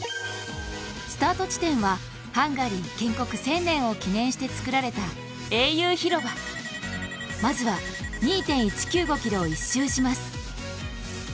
スタート地点はハンガリー建国１０００年を記念して作られた英雄広場、まずは２．１９５ｋｍを１周します。